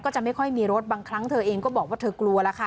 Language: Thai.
จะไม่ค่อยมีรถบางครั้งเธอเองก็บอกว่าเธอกลัวแล้วค่ะ